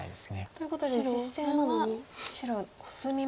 ということで実戦は白コスみましたね。